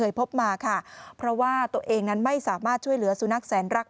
พบมาค่ะเพราะว่าตัวเองนั้นไม่สามารถช่วยเหลือสุนัขแสนรัก